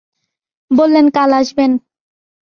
বললেন কাল আসবেন।